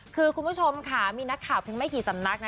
คือคุณผู้ชมค่ะมีนักข่าวเพียงไม่กี่สำนักนะ